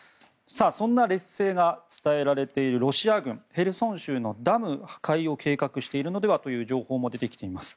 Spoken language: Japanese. そんな劣勢が伝えられているロシア軍がヘルソン州のダム破壊を計画しているのではという情報も出てきています。